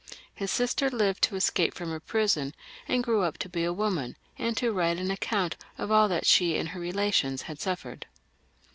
His sister lived to escape out of her prison, and grew up to be a w'oman, and to write an account of all that she and her relations had suffered.